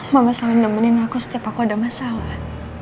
mama selalu nemenin aku setiap aku ada masalah